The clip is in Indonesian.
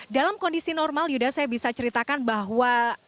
dalam kondisi normal yuda saya bisa ceritakan bahwa